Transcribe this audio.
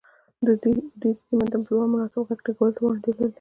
دوی دې متن په لوړ مناسب غږ ټولګیوالو په وړاندې ولولي.